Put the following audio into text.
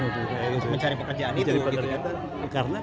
mencari pekerjaan itu